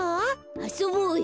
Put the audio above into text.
あそぼうよ。